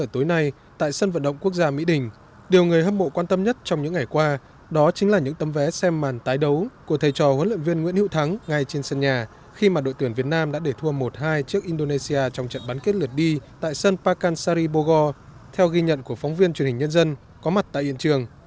tối nay tại sân vận động quốc gia mỹ đình điều người hâm mộ quan tâm nhất trong những ngày qua đó chính là những tấm vé xem màn tái đấu của thầy trò huấn luyện viên nguyễn hữu thắng ngay trên sân nhà khi mà đội tuyển việt nam đã để thua một hai trước indonesia trong trận bán kết lượt đi tại sân pakan sari bogo theo ghi nhận của phóng viên truyền hình nhân dân có mặt tại hiện trường